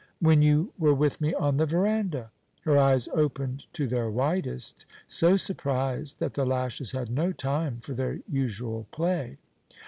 "When you were with me on the veranda." Her eyes opened to their widest, so surprised that the lashes had no time for their usual play.